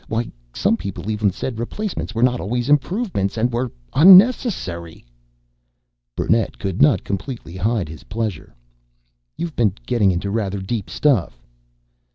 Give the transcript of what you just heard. Why, some people even said replacements were not always improvements and were unnecessary!" Burnett could not completely hide his pleasure. "You've been getting into rather deep stuff."